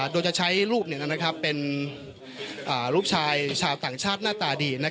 โดยจะใช้รูปเป็นลูกชายชาวต่างชาติหน้าตาดี